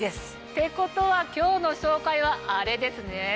てことは今日の紹介はあれですね。